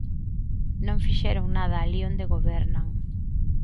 Non fixeron nada alí onde gobernan.